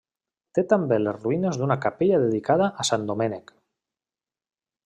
Té també les ruïnes d'una capella dedicada a Sant Domènec.